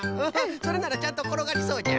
それならちゃんところがりそうじゃ。